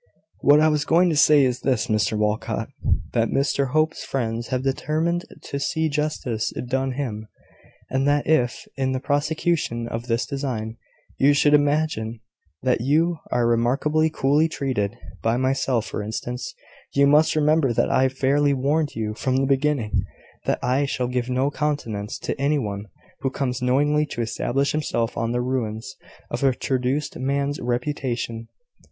"What I was going to say is this, Mr Walcot, that Mr Hope's friends have determined to see justice done him; and that if, in the prosecution of this design, you should imagine that you are remarkably coolly treated, by myself, for instance, you must remember that I fairly warned you from the beginning that I shall give no countenance to any one who comes knowingly to establish himself on the ruins of a traduced man's reputation.